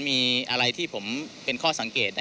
มีอะไรที่ผมเป็นข้อสังเกต